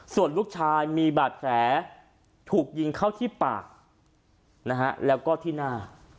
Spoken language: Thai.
ส่วนลูกชายมีบาดแผลถูกยิงเข้าที่ปากนะฮะแล้วก็ที่หน้า